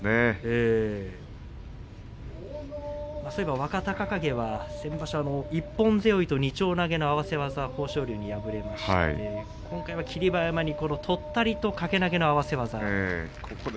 若隆景は先場所は一本背負いと二丁投げの合わせ技の豊昇龍に敗れまして今回は霧馬山にとったりと掛け投げの合わせ技を。